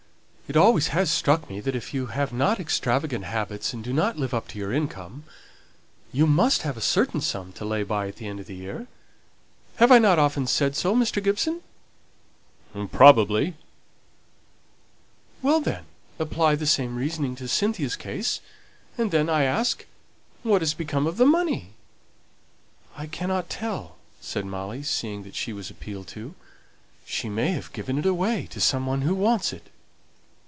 It always has struck me that if you have not extravagant habits, and do not live up to your income, you must have a certain sum to lay by at the end of the year. Have I not often said so, Mr. Gibson?" "Probably." "Well, then, apply the same reasoning to Cynthia's case; and then, I ask, what has become of the money?" "I cannot tell," said Molly, seeing that she was appealed to. "She may have given it away to some one who wants it."